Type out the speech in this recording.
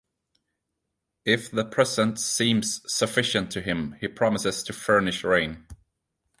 If the present seems sufficient to him, he promises to furnish rain.